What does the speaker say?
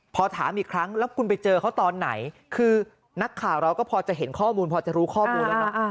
พอถามอีกครั้งแล้วคุณไปเจอเขาตอนไหนคือนักข่าวเราก็พอจะเห็นข้อมูลพอจะรู้ข้อมูลแล้วเนอะ